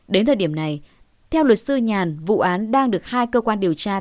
đến thời điểm này theo luật sư nhàn vụ án đang được hai cơ quan điều tra